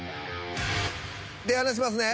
手離しますね。